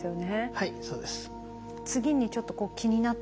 はいそうです。